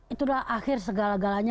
itu dah akhir segala galanya